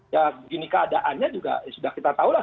ya gini keadaannya juga sudah kita tahu lah